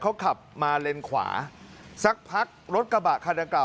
เขาขับมาเลนขวาสักพักรถกระบะคันดังกล่า